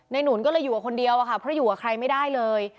หนุนก็เลยอยู่กับคนเดียวอะค่ะเพราะอยู่กับใครไม่ได้เลย